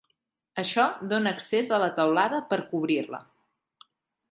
Això dóna accés a la teulada per cobrir-la.